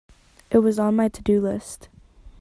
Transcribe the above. It was on my to-do list.